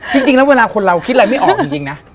จริงแล้วเวลาคนเราคิดอะไรไม่ออกจริงนะ